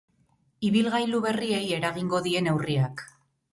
Ibilgailu berriei eragingo die neurriak.